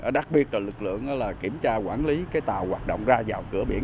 đặc biệt là lực lượng kiểm tra quản lý tàu hoạt động ra vào cửa biển